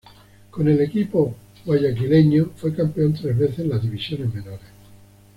Con el equipo guayaquileño fue campeón tres veces en las divisiones menores.